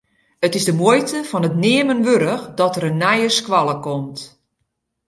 It is de muoite fan it neamen wurdich dat der in nije skoalle komt.